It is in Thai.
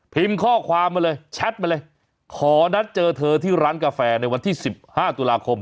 ข้อความมาเลยแชทมาเลยขอนัดเจอเธอที่ร้านกาแฟในวันที่๑๕ตุลาคม